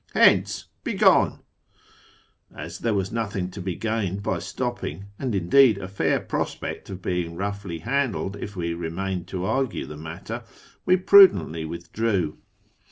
Hence ! begone !" As there was nothing to be gained by stopping (and, indeed, a fair prospect of being roughly handled if we remained to argue the matter), we prudently withdrew.